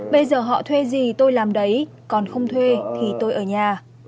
bây giờ họ thuê gì tôi làm đấy còn không thuê thì tôi ở nhà